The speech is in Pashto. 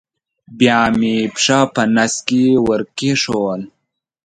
بیا مې پښه په نس کې ور کېښوول.